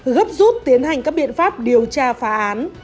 gấp rút tiến hành các biện pháp điều tra phá án